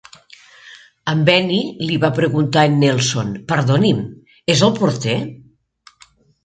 En Benny li va preguntar a en Nelson, "Perdoni'm, és el porter?"